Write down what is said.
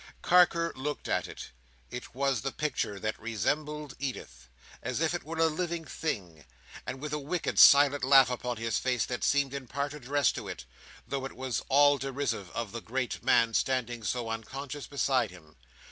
Carker looked at it—it was the picture that resembled Edith—as if it were a living thing; and with a wicked, silent laugh upon his face, that seemed in part addressed to it, though it was all derisive of the great man standing so unconscious beside him.